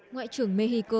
ngoại trưởng mexico